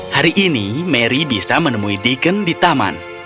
hari ini mary bisa menemui deacon di taman